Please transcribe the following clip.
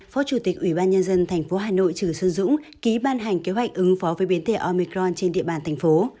phó chủ tịch ubnd tp hà nội trừ xuân dũng ký ban hành kế hoạch ứng phó với biến thể omicron trên địa bàn thành phố